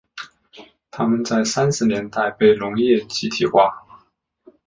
他们在三十年代被农业集体化。